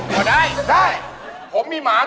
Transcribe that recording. ราคาไม่แพง